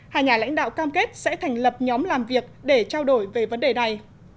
hai nhà lãnh đạo cam kết sẽ thành lập nhóm làm việc để trao đổi về vấn đề này